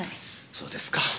そうですか。